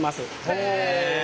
へえ。